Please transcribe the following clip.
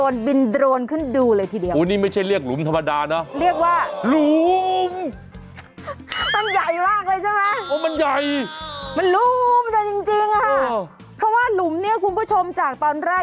นอกจากนี้ก็ยังสามารถเอาไปใช้อะไรอีกมากมาย